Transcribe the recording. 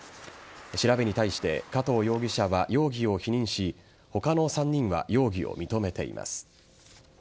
調べに対して加藤容疑者は容疑を否認し他の３人は容疑を認めています。